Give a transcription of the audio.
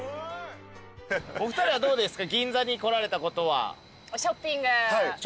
お二人はどうですか？